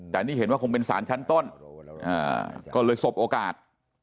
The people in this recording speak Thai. แต่นี่เห็นว่าคงเป็นสารชั้นต้นก็เลยสบโอกาส